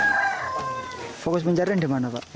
fokus pencarian di mana pak